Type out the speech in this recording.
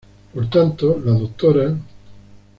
Por tanto, La Dra.